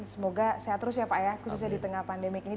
semoga sehat terus ya pak ya khususnya di tengah pandemi ini